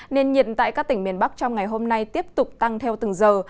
nền nhiệt tại các tỉnh miền bắc trong ngày hôm nay tiếp tục tăng theo từng giờ